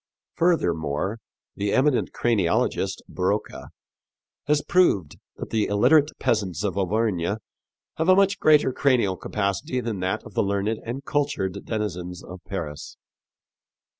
Furthermore, the eminent craniologist, Broca, has proved that the illiterate peasants of Auvergne have a much greater cranial capacity than that of the learned and cultured denizens of Paris.